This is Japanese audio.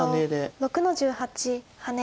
白６の十八ハネ。